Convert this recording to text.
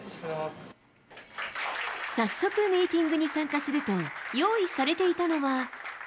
早速、ミーティングに参加すると、用意されていたのは。